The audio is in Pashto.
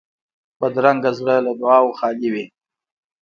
بدرنګه زړه له دعاوو خالي وي